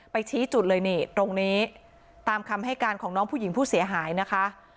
ชี้จุดเลยนี่ตรงนี้ตามคำให้การของน้องผู้หญิงผู้เสียหายนะคะ